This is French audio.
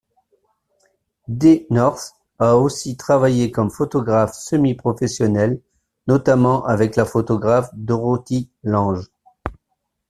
D, North a aussi travaillé comme photographe semi-professionnel, notamment avec la photographe Dorothea Lange.